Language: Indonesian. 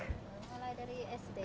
mulai dari sd